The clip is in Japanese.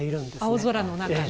青空の中ね。